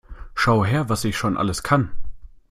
Schau her, was ich schon alles kann!